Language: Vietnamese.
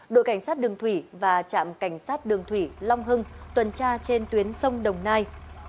đội cảnh sát đường thủy và trạm cảnh sát đường thủy long hưng tuần tra trên tuyến sông đồng nai